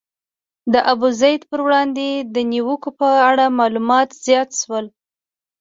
د ابوزید پر وړاندې د نیوکو په اړه معلومات زیات شول.